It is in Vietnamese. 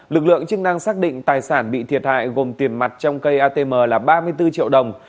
lực lượng chức năng xác định tài sản bị thiệt hại gồm tiền mặt trong cây atm là ba mươi bốn triệu đồng